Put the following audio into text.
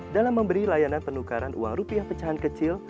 dalam memberi layanan penukaran uang rupiah pecahan kecil